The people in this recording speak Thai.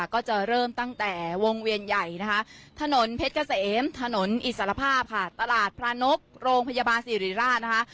ก็จะเริ่มตั้งแต่วงเวียนใหญ่นะคะถนนเพชรเกษมถนนอิสรภาพค่ะตลาดพระนกโรงพยาบาลศิริราชนะคะ